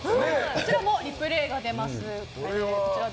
こちらもリプレーが出ます。